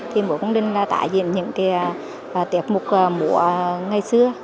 thì mùa cung đình là tải diện những tiệc mục mùa ngày xưa